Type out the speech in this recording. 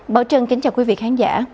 bảo trân kính chào quý vị khán giả